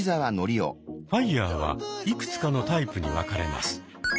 ＦＩＲＥはいくつかのタイプに分かれます。